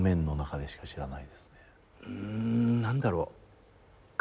うん何だろう塊。